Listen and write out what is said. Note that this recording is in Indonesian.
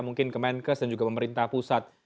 mungkin kemenkes dan juga pemerintah pusat